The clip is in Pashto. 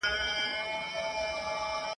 موږ یو چي د دې په سر کي شور وینو !.